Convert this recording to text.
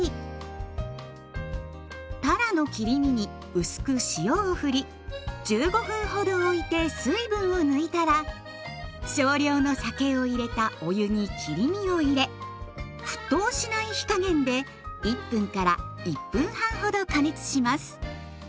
たらの切り身に薄く塩をふり１５分ほどおいて水分を抜いたら少量の酒を入れたお湯に切り身を入れ沸騰しない火加減で１分から１分半ほど加熱します。